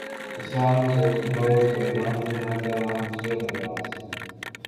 The songs were composed by Vandemataram Srinivas.